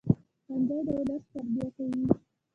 ښوونځی د ولس تربیه کوي